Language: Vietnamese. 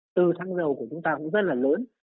từ thăng dầu của chúng ta cũng rất là lớn